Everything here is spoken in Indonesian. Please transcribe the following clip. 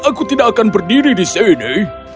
aku tidak akan berdiri di sini